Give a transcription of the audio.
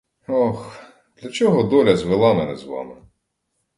Ох, для чого доля звела мене з вами?